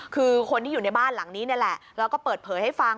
คือคนที่อยู่ในบ้านหลังนี้นี่แหละแล้วก็เปิดเผยให้ฟัง